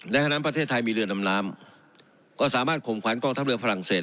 ทั้งนั้นประเทศไทยมีเรือดำน้ำก็สามารถข่มขวัญกองทัพเรือฝรั่งเศส